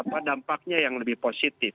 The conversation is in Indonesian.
apa dampaknya yang lebih positif